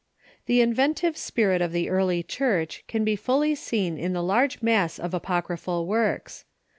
] The inventive spirit of the early Church can be fully seen in the large mass of apocryphal works.